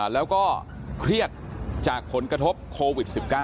แล้วก็เครียดจากผลกระทบโควิด๑๙